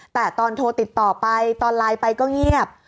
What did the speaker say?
แต่ตอนโทรติดต่อไปตอนไลน์ไปก็เงียบ